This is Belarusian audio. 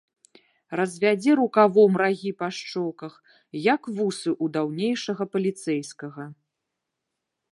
Развядзе рукавом рагі па шчоках, як вусы ў даўнейшага паліцэйскага.